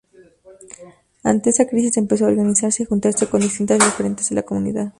Ante esa crisis, empezó a organizarse y juntarse con distintos referentes de la comunidad.